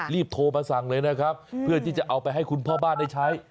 โทรมาสั่งเลยนะครับเพื่อที่จะเอาไปให้คุณพ่อบ้านได้ใช้